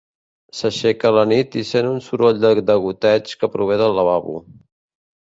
S'aixeca a la nit i sent un soroll de degoteig que prové del lavabo.